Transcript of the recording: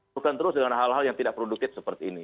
lakukan hal hal yang tidak produkit seperti ini